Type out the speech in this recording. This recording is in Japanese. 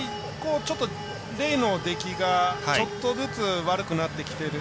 レイの出来がちょっとずつ悪くなってきている。